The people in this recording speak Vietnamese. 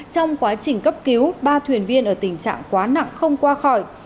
trong quá trình cấp cứu ba thuyền viên ở tình trạng quá nặng không qua khỏi